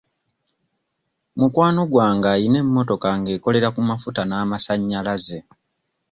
Mukwano gwange ayina emmotoka ng'ekolera ku mafuta n'amasannyalaze.